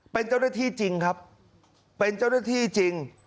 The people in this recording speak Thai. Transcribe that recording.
เป็นเจ้าหน้าที่จริงครับเป็นเจ้าหน้าที่จริง